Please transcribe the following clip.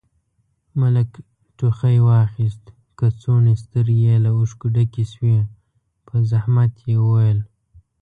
ملک ټوخي واخيست، کڅوړنې سترګې يې له اوښکو ډکې شوې، په زحمت يې وويل: